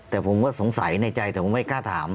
แต่ผมก็สงสัยในใจแต่ผมไม่กล้าถาม